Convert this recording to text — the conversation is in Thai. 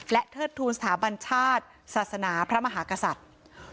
และเทิดทูลสถาบันชาติศาสนาพระมหากษัตริย์